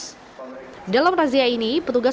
dalam razia ini petugas banyak menemukan jalan bus yang berbeda